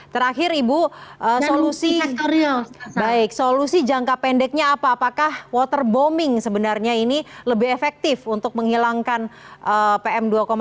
terakhir ibu solusi jangka pendeknya apa apakah waterbombing sebenarnya ini lebih efektif untuk menghilangkan pm dua lima